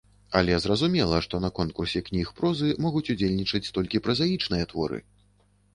Але зразумела, што на конкурсе кніг прозы могуць удзельнічаць толькі празаічныя творы.